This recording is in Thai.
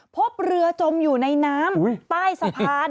พบเรือจมอยู่ในน้ำใต้สะพาน